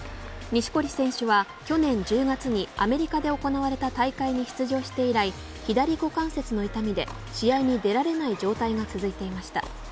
錦織選手は去年１２月にアメリカで行われた大会に出場して以来左股関節の痛みで試合に出られない状態が続いていました。